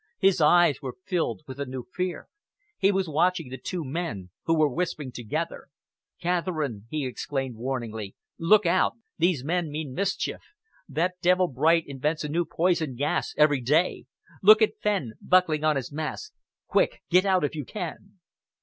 His eyes were filled with a new fear. He was watching the two men, who were whispering together. "Catherine," he exclaimed warningly, "look out! These men mean mischief. That devil Bright invents a new poisonous gas every day. Look at Fenn buckling on his mask. Quick! Get out if you can!"